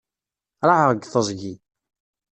Raεeɣ deg teẓgi.